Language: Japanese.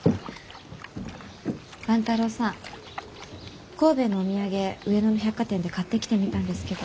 万太郎さん神戸へのお土産上野の百貨店で買ってきてみたんですけど。